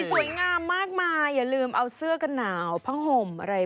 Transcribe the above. สวยงามมากมายอย่าลืมเอาเสื้อกันหนาวผ้าห่มอะไร